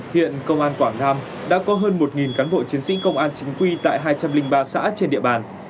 hiện công an quảng nam đã có hơn một cán bộ chiến sĩ công an chính quy tại hai trăm linh ba xã trên địa bàn